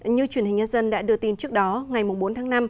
như truyền hình nhân dân đã đưa tin trước đó ngày bốn tháng năm